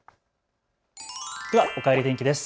では、おかえり天気です。